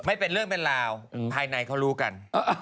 เป็นเรื่องเป็นราวภายในเขารู้กัน